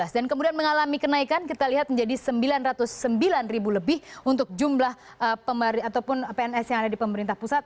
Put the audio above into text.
dan kemudian mengalami kenaikan kita lihat menjadi sembilan ratus sembilan ribu lebih untuk jumlah pns yang ada di pemerintah pusat